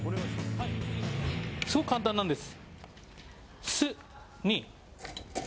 すごく簡単なんです。